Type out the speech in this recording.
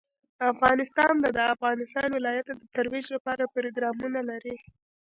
افغانستان د د افغانستان ولايتونه د ترویج لپاره پروګرامونه لري.